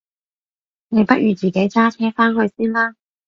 你不如自己揸車返去先啦？